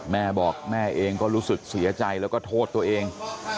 แม่บอกแม่เองก็รู้สึกเสียใจแล้วก็โทษตัวเอง